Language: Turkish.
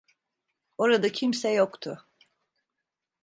Orada kimse yoktu.